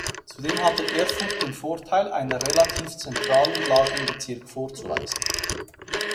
Zudem hatte Erfurt den Vorteil einer relativ zentralen Lage im Bezirk vorzuweisen.